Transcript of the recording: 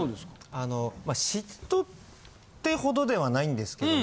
あの嫉妬ってほどではないんですけども。